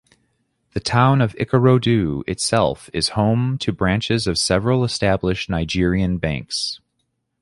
The town of Ikorodu itself is home to branches of several established Nigerian banks.